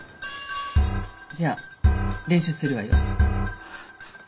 じゃあ練習するわよ。